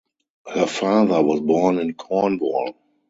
Her father was born in Cornwall.